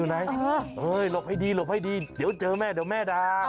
หลบให้ดีเดี๋ยวเจอแม่เดี๋ยวแม่ดา